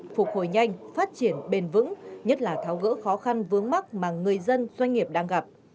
phục hồi nhanh phát triển bền vững nhất là tháo gỡ khó khăn vướng mắt mà người dân doanh nghiệp đang gặp